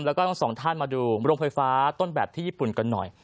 แล้วก็ทั้งสองท่านมาดูโรงไฟฟ้าต้นแบบที่ญี่ปุ่นกันหน่อย